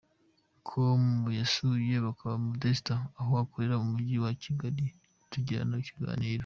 com yasuye Kabaka Modeste aho akorera mu Mujyi wa Kigali tugirana ikiganiro.